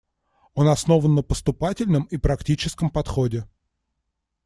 Он основан на поступательном и практическом подходе.